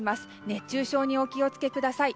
熱中症にお気を付けください。